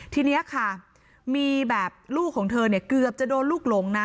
ทีนี้ค่ะมีแบบลูกของเธอเนี่ยเกือบจะโดนลูกหลงนะ